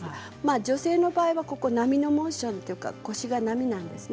女性の場合は波のモーションというか腰が波なんですね。